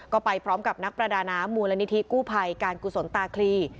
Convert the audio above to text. ก็ไปพร้อมกับนักประดาน้ำมูลนิธิกู้ภัยการกุศลตาคลี